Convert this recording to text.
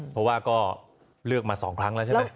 เพราะว่าก็เลือกมา๒ครั้งแล้วใช่ไหม